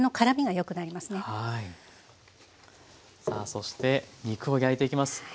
さあそして肉を焼いていきます。